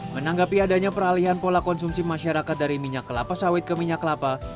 menanggapi adanya peralihan pola konsumsi masyarakat dari minyak kelapa sawit ke minyak kelapa